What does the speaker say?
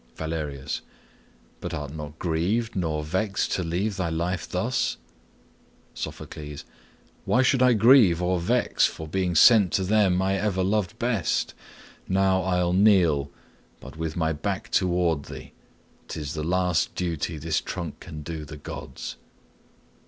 Valerius. But art not grieved nor vexed to leave thy life thus? Sophocles. Why should I grieve or vex for being sent To them I ever loved best? Now I'll kneel, But with my back toward thee; 'tis the last duty This trunk can do the gods.